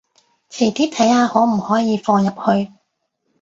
遲啲睇下可唔可以放入去